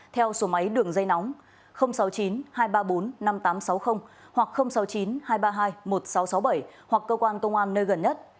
theo số máy đường dây nóng sáu mươi chín hai trăm ba mươi bốn năm nghìn tám trăm sáu mươi hoặc sáu mươi chín hai trăm ba mươi hai một nghìn sáu trăm sáu mươi bảy hoặc cơ quan công an nơi gần nhất